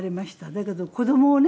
だけど子供をね